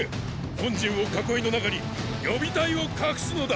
本陣を囲いの中に予備隊を隠すのだ！